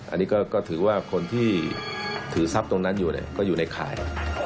อันนี้ก็ถือว่าคนที่ถือทรัพย์ตรงนั้นอยู่ก็อยู่ในข่าย